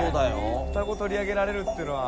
「双子取り上げられるっていうのは」